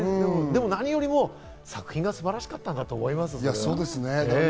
何よりも作品が素晴らしかったんだと思います。